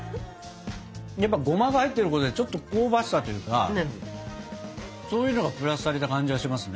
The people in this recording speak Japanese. やっぱゴマが入ってることでちょっと香ばしさというかそういうのがプラスされた感じがしますね。